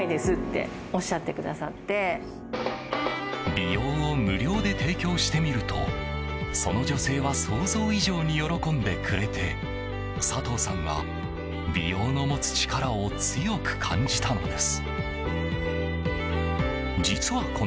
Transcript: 美容を無料で提供してみるとその女性は想像以上に喜んでくれて佐東さんは美容の持つ力を強く感じたのです。